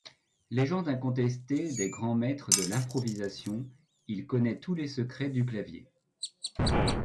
Légende incontestée des grands maîtres de l'improvisation, il connaît tous les secrets du clavier.